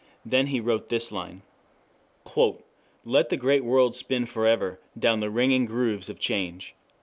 Then he wrote this line: "Let the great world spin forever down the ringing grooves of change."